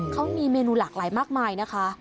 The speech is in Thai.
เขามีเมนูหลากหลายมากมายนะคะ